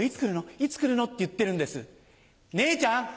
いつ来るの？」。って言ってるんです姉ちゃん！